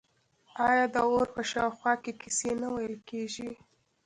آیا د اور په شاوخوا کې کیسې نه ویل کیږي؟